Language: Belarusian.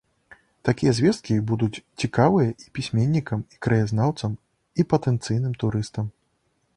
Такія звесткі будуць цікавыя і пісьменнікам, і краязнаўцам, і патэнцыйным турыстам.